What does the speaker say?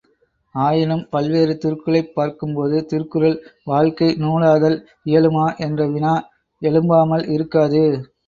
ஆயினும் பல்வேறு திருக்குறளைப் பார்க்கும்போது திருக்குறள் வாழ்க்கை நூலாதல் இயலுமா என்ற வினா எழும்பாமல் இருக்காது.